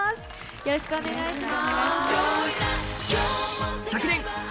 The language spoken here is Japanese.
よろしくお願いします。